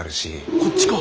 こっちか？